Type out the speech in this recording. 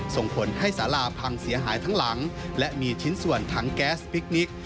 ส่งผลให้สาราพังเสียหายทั้งหลังและมีชิ้นส่วนทั้งแก๊สพิคนิค